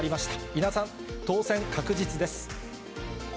稲田さん、当選確実です。